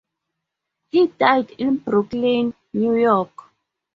He died in Brooklyn, New York.